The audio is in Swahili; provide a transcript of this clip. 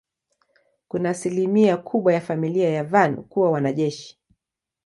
Kuna asilimia kubwa ya familia ya Van kuwa wanajeshi.